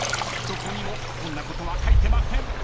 ［どこにもそんなことは書いてません］